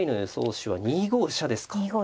手は２五飛車ですか。